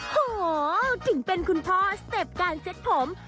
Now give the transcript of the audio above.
โหถึงเป็นคุณพ่อเสพการเสร็จผม